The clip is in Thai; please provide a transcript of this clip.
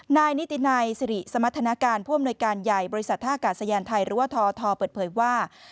นายนิตินัยสิริสมรรถนาการผู้อำนวยการใหญ่บริษัทท่ากาศยานไทยหรือว่าททเปิดเผยว่า